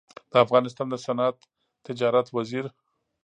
د افغانستان د صنعت تجارت وزیر